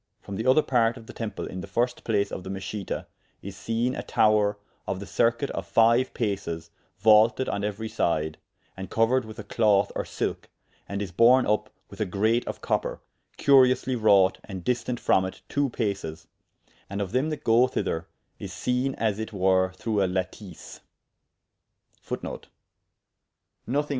From the other part of the temple in the first place of the Meschita, is seene a tower of the circuite of fyue pases vaulted on euery syde, and couered with a cloth or silk, and is borne vp with a grate of copper, curiously wrought and distant from it two pases; and of them that goe thyther, is seene as it were through a lateese.